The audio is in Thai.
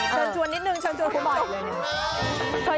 ชวนชวนนิดนึงชวนชวนผู้บาทเลยเนี่ย